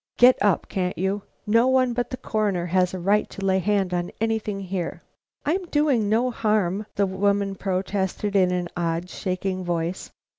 "Get up, can't you! No one but the Coroner has right to lay hand on anything here." "I'm doing no harm," the woman protested, in an odd, shaking voice.